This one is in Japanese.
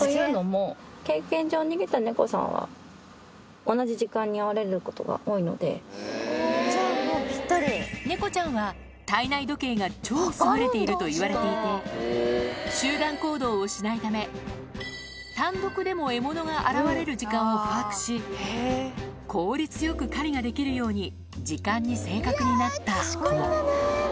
経験上、逃げた猫さんは、猫ちゃんは、体内時計が超優れているといわれていて、集団行動をしないため、単独でも獲物が現れる時間を把握し、効率よく狩りができるように時間に正確になったととも。